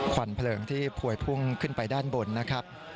ควันเพลิงที่พวยพุ่งขึ้นไปด้านบนนะครับ